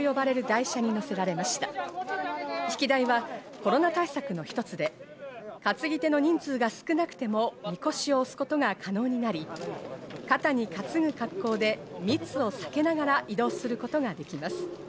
曳台はコロナ対策の一つで担ぎ手の人数が少なくてもみこしを押すことが可能になり、肩に担ぐ格好で密を避けながら移動することができます。